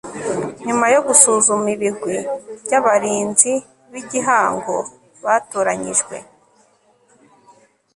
nyuma yo gusuzuma ibigwi by abarinzi b igihango batoranyijwe